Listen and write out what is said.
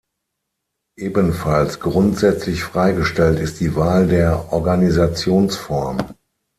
Ebenfalls grundsätzlich freigestellt ist die Wahl der Organisationsform.